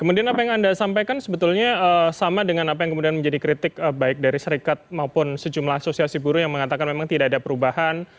kemudian apa yang anda sampaikan sebetulnya sama dengan apa yang kemudian menjadi kritik baik dari serikat maupun sejumlah asosiasi buruh yang mengatakan memang tidak ada perubahan